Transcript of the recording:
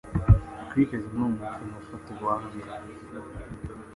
Cricket ni umukino ufata ubuhanga.